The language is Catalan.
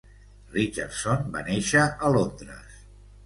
Richardson va néixer a Londres.